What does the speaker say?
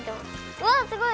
うわすごい。